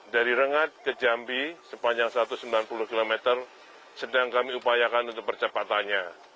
dari rengat ke jambi sepanjang satu ratus sembilan puluh km sedang kami upayakan untuk percepatannya